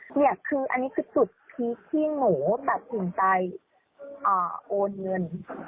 นี่คืออันนี้คือจุดพีคที่หนูตัดสินใจโอนเงิน